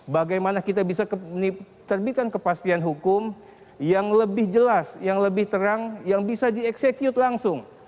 bagaimana kita bisa menitipkan kepastian hukum yang lebih jelas yang lebih terang yang bisa dieksekut langsung